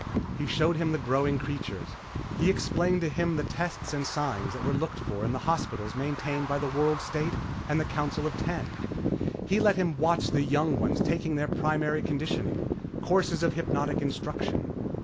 He showed him the growing creatures. He explained to him the tests and signs that were looked for in the hospitals maintained by the World State and the Council of Ten. He let him watch the young ones taking their Primary Conditioning. Courses of hypnotic instruction.